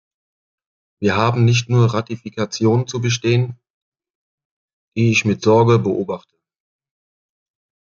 Wir haben nicht nur Ratifikationen zu bestehen, die ich mit Sorge beobachte.